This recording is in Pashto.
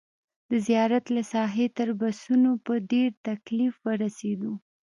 د زیارت له ساحې تر بسونو په ډېر تکلیف ورسېدو.